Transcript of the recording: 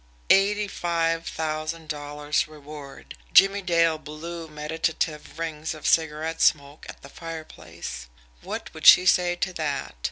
Eighty five thousand dollars' reward! Jimmie Dale blew meditative rings of cigarette smoke at the fireplace. What would she say to that?